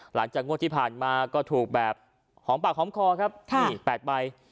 หลังจากงวดที่ผ่านมาก็ถูกแบบหอมปากหอมคอครับนี่๘ใบ